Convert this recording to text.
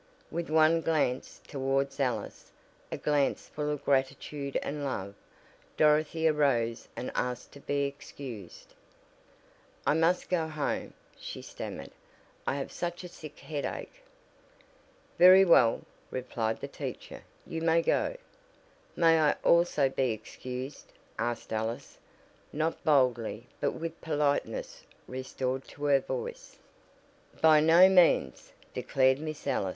With one glance towards Alice a glance full of gratitude and love. Dorothy arose and asked to be excused. "I must go home " she stammered "I have such a sick headache." "Very well," replied the teacher. "You may go." "May I also be excused?" asked Alice, not boldly but with politeness restored to her voice. "By no means," declared Miss Ellis.